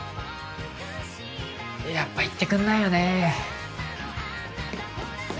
やっぱ言ってくんないよね。